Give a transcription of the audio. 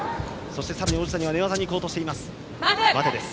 さらに王子谷は寝技に行こうとしています。